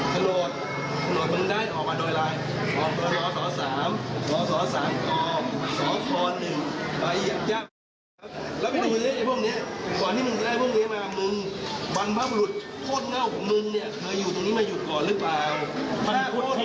ข้าใจกับว่าสิทธิ์ที่ได้ความสิทธิ์ผมจะไปดูว่าสิทธิ์มันคือถนน